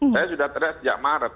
saya sudah teriak sejak maret